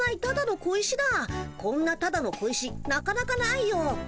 こんなただの小石なかなかないよ。